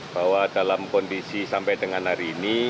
bahwa dalam kondisi sampai dengan hari ini